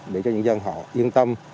để cho những dân họ yên tâm